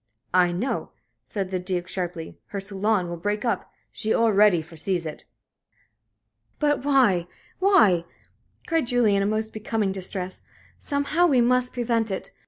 "I know," said the Duke, sharply. "Her salon will break up. She already foresees it." "But why? why?" cried Julie, in a most becoming distress. "Somehow, we must prevent it.